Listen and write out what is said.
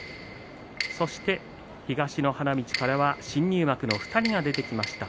そして東の花道からは新入幕の２人が出てきました。